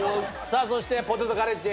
そしてポテトカレッジ。